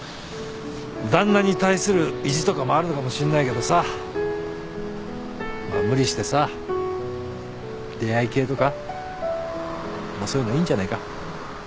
旦那に対する意地とかもあるのかもしんないけどさまあ無理してさ出会い系とかもうそういうのいいんじゃないか。